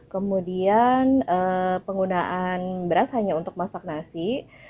kemudian penggunaan beras hanya untuk masak nasi